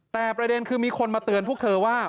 แต่ประเด็นคือมีคนมาเตือนพวกเธอว่า